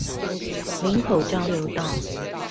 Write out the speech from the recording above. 嶺口交流道